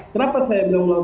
kenapa saya menemukan